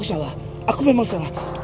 aku salah aku memang salah